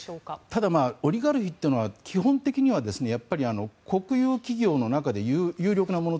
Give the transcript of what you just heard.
ただオリガルヒというのは基本的には国有企業の中で有力なもの